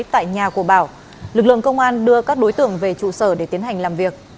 tại nhà của bảo lực lượng công an đưa các đối tượng về trụ sở để tiến hành làm việc